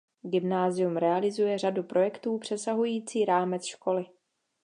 Gymnázium realizuje řadu projektů přesahující rámec školy.